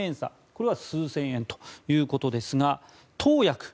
これは数千円ということですが投薬。